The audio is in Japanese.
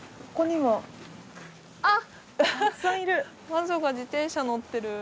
魔女が自転車乗ってる。